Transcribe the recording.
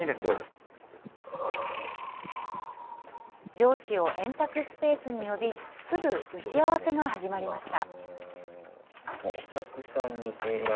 上司を円卓スペースに呼び、すぐ打ち合わせが始まりました。